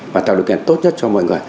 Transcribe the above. và tạo được kênh tốt nhất cho mọi người